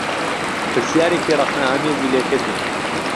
پرسیارێکی ڕخنەئامێزی لێ کردم